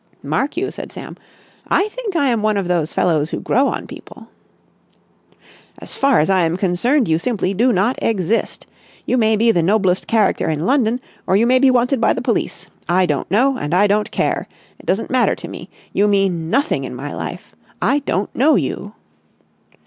"Mark you," said Sam, "I think I am one of those fellows who grow on people...." "As far as I am concerned, you simply do not exist. You may be the noblest character in London or you may be wanted by the police. I don't know. And I don't care. It doesn't matter to me. You mean nothing in my life. I don't know you."